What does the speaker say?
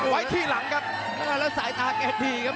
ไว้ที่หลังครับแล้วสายตาแกดีครับ